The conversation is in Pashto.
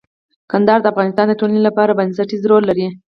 کندهار د افغانستان د ټولنې لپاره بنسټيز رول لري.